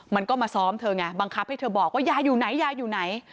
มันก็มาซ้อมเธอไงบังคับให้เธอบอกว่ายายอยู่ไหนยายอยู่ไหน